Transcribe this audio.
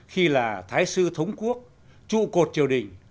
khi là thái sư thống quốc trụ cột triều đình